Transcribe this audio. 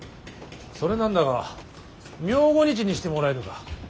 それなんだが明後日にしてもらえぬか。